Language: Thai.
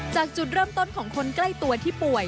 จากจุดเริ่มต้นของคนใกล้ตัวที่ป่วย